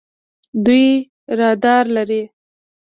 دوی رادار لري.